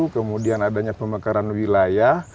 kemudian adanya pemekaran wilayah